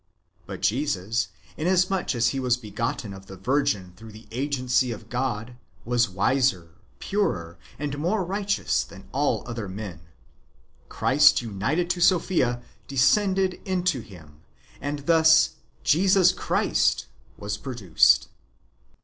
But Jesus, inasmuch as he was begotten of the Virgin through the agency of God, was wiser, purer, and more righteous than all other men : Christ united to Sophia descended into him, and thus Jesus Christ was produced.